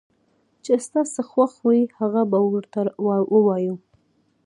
چې ستا څه خوښ وي هغه به ورته ووايو